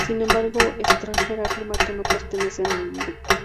Sin embargo, Stranger afirma que no pertenece a ningún grupo.